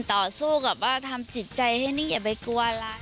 ต่อสู้กับว่าทำจิตใจให้นิยมให้กว้ารัก